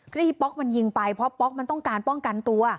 ที่ป๊อกมันยิงไปเพราะป๊อกมันต้องการป้องกันตัว